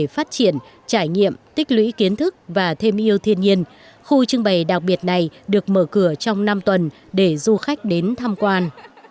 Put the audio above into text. phát triển trải nghiệm tích lũy kiến thức và thêm yêu thiên nhiên khu trưng bày đặc biệt này được mở cửa trong năm tuần để du khách đến tham quan